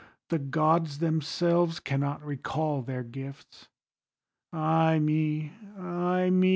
'The Gods themselves cannot recall their gifts.' Ay me! ay me!